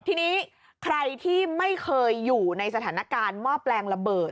ทีนี้ใครที่ไม่เคยอยู่ในสถานการณ์หม้อแปลงระเบิด